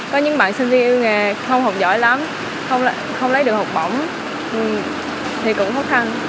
có những bạn sinh viên yêu nghề không học giỏi lắm không lấy được học bổng thì cũng khó khăn